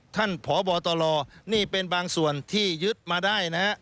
ท่านพบตรนี่เป็นบางส่วนที่ยึดมาได้นะฮะ